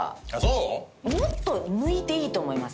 もっと抜いていいと思います。